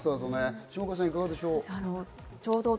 下川さん、いかがでしょう？